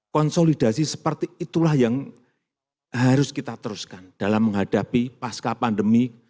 konsolidasi seperti itulah yang harus kita teruskan dalam menghadapi pasca pandemi